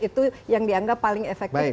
itu yang dianggap paling efektif